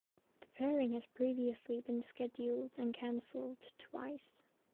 The pairing has previously been scheduled and cancelled twice.